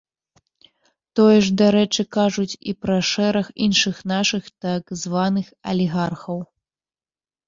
Тое ж, дарэчы, кажуць і пра шэраг іншых нашых так званых алігархаў.